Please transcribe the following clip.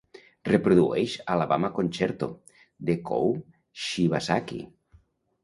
Reprodueix Alabama Concerto de Kou Shibasaki.